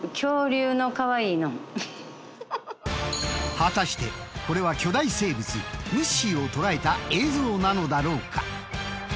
果たしてこれは巨大生物ムッシーを捉えた映像なのだろうか？